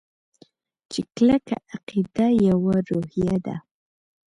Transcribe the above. چې کلکه عقیده يوه روحیه ده.